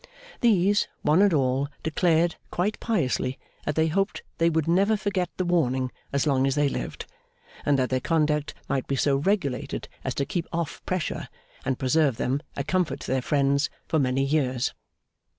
These, one and all, declared, quite piously, that they hoped they would never forget the warning as long as they lived, and that their conduct might be so regulated as to keep off Pressure, and preserve them, a comfort to their friends, for many years.